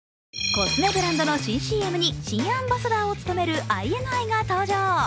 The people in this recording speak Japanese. コスメブランドの新ＣＭに新アンバサダーを務めるＩＮＩが登場。